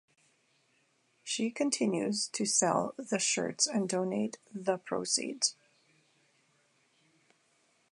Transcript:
She continues to sell the shirts and donate the proceeds.